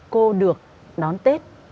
cô được đón tết